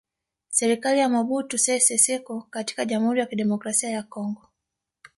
Serikali ya Mobutu Sese Seko katika Jamhuri ya Kidemokrasia ya Kongo